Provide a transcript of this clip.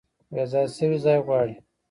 بیځایه شوي ځای غواړي